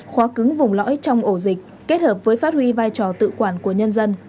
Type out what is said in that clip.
khóa cứng vùng lõi trong ổ dịch kết hợp với phát huy vai trò tự quản của nhân dân